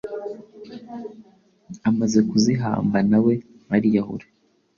amaze kuzihamba na we ariyahura,